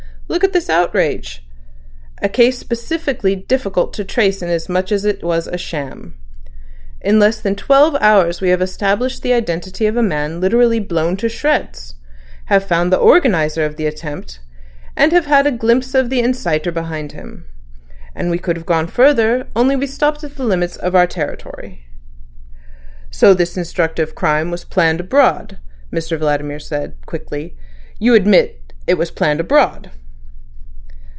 Look at this outrage; a case specially difficult to trace inasmuch as it was a sham. In less than twelve hours we have established the identity of a man literally blown to shreds, have found the organiser of the attempt, and have had a glimpse of the inciter behind him. And we could have gone further; only we stopped at the limits of our territory." "So this instructive crime was planned abroad," Mr Vladimir said quickly. "You admit it was planned abroad?"